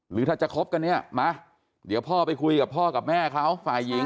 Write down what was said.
หรือถ้าจะคบกันเนี่ยมาเดี๋ยวพ่อไปคุยกับพ่อกับแม่เขาฝ่ายหญิง